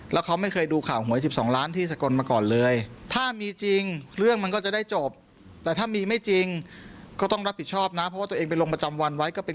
แล้วตอนนี้อยู่จังหวัดไหน